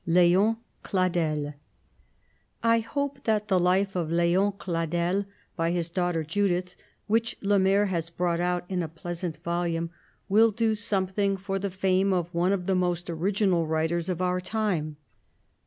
LÉON CLADEL I hope that the life of Léon Cladel by his daughter Judith, which Lemerre has brought out in a pleasant volume, will do something for the fame of one of the most original writers of our time.